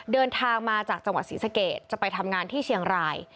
เดินทางมาจากจังหวัดศรีสะเกดจะไปทำงานที่เชียงราย